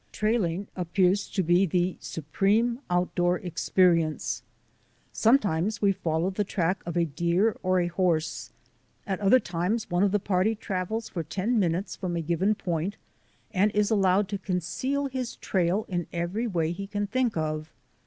Trailing appears to be the supreme outdoor ex perience. Sometimes we follow the track of a deer or a horse; at other times one of the party travels for ten minutes from a given point and is allowed to conceal his trail in every way he can think of.